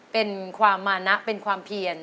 เป็นความมานะเป็นความเพียร